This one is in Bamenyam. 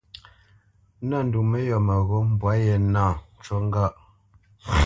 Nə̂t ndu mə́yɔ̂ mə́ghó mbwâ ye nâ, ncu ŋgâʼ.